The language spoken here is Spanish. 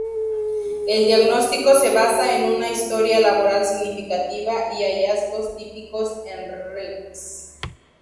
El diagnóstico se basa en una historia laboral significativa y hallazgos típicos en Rx.